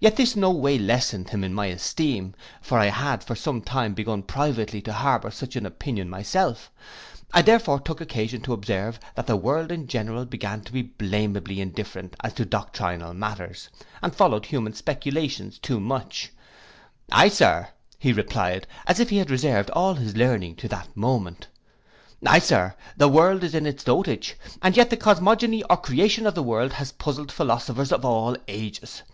Yet this no way lessened him in my esteem; for I had for some time begun privately to harbour such an opinion myself. I therefore took occasion to observe, that the world in general began to be blameably indifferent as to doctrinal matters, and followed human speculations too much—'Ay, Sir,' replied he, as if he had reserved all his learning to that moment, 'Ay, Sir, the world is in its dotage, and yet the cosmogony or creation of the world has puzzled philosophers of all ages.